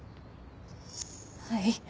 はい。